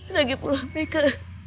lagi pula mereka